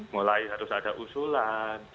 mulai harus ada usulan